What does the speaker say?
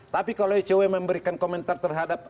tapi kalau icw memberikan komentar terhadap